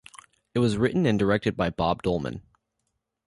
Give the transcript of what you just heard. It was written and directed by Bob Dolman.